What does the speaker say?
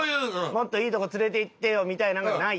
もっといいとこ連れていってよみたいなんがないっていう。